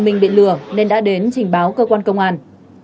mình bị lừa nên đã đến trình báo cơ quan công an